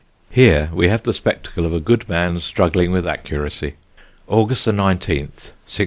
Here we have the spectacle of a good man struggling with accuracy: "August 19th, 1698.